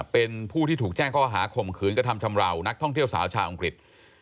เป็นผู้ที่ถูกแจ้งข้อหาข่มขืนกระทำชำราวนักท่องเที่ยวสาวชาวอังกฤษ